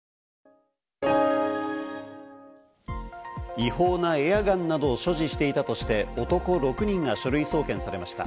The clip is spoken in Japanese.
違法なエアガンなどを所持していたとして、男６人が書類送検されました。